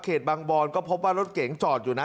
บางบอนก็พบว่ารถเก๋งจอดอยู่นะ